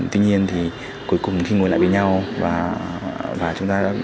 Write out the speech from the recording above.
tuy nhiên thì cuối cùng khi ngồi lại với nhau và chúng ta đã